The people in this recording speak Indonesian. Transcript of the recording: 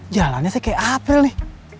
jalannya sih kayak aprih nih